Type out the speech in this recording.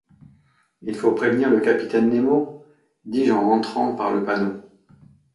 Il faut prévenir le capitaine Nemo », dis-je en rentrant par le panneau.